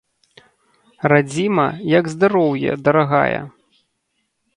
Радзіма, як здароўе, дарагая!